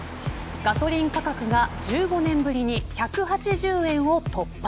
ガソリン価格が１５年ぶりに１８０円を突破。